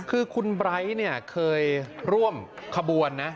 คือคุณไบร์ทเนี่ยเคยร่วมขบวนนะ